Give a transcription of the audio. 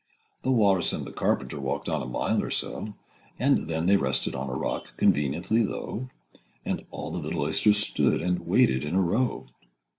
The Walrus and the Carpenter Â Â Â Â Walked on a mile or so, And then they rested on a rock Â Â Â Â Conveniently low: And all the little Oysters stood Â Â Â Â And waited in a row.